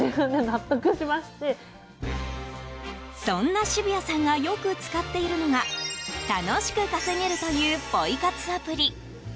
そんな渋谷さんがよく使っているのが楽しく稼げるというポイ活アプリ。